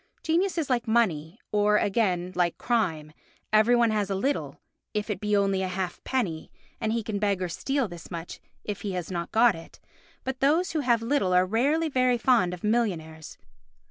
Genius is like money, or, again, like crime, every one has a little, if it be only a half penny, and he can beg or steal this much if he has not got it; but those who have little are rarely very fond of millionaires.